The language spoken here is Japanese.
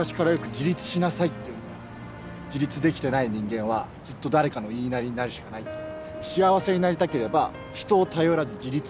「自立できてない人間はずっと誰かの言いなりになるしかない」って「幸せになりたければ人を頼らず自立しなさい」って。